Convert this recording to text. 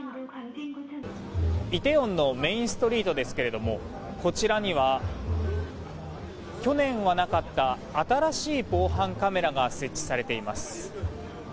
イテウォンのメインストリートですけれどもこちらには去年はなかった新しい防犯カメラが設置されています。